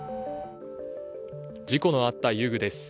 事故のあった遊具です。